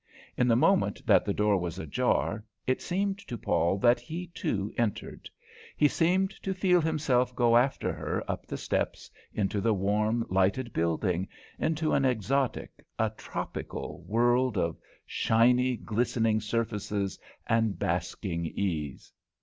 In the moment that the door was ajar, it seemed to Paul that he, too, entered. He seemed to feel himself go after her up the steps, into the warm, lighted building, into an exotic, a tropical world of shiny, glistening surfaces and basking ease.